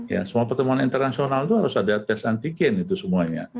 ya semua pertemuan internasional itu harus ada tes antigen itu semuanya